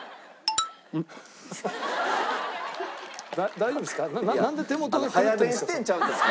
大丈夫ですか？